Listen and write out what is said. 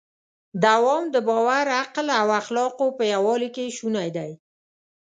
دوام د باور، عقل او اخلاقو په یووالي کې شونی دی.